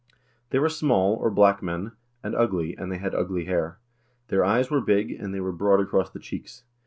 They were small (or black) men,2 and ugly, and they had ugly hair ; their eyes were big, and they were broad across the cheeks.